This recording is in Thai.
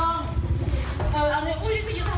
ไหนลูกร้านชิม่าลองเยี่ยมลองเยี่ยม